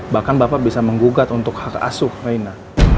bahkan bapak bisa menggugat untuk hak asuh rena